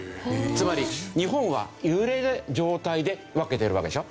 つまり日本は揺れの状態で分けてるわけでしょ？